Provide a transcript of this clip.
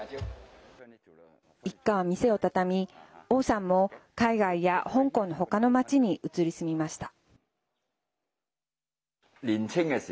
一家は店を畳み、王さんも海外や、香港のほかの街に移り住みました。